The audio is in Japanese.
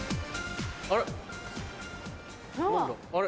あれ？